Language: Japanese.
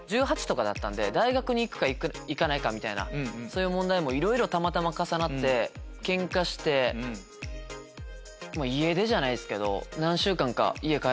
１８だったんで大学に行くか行かないかみたいな問題もいろいろたまたま重なってケンカして家出じゃないっすけど。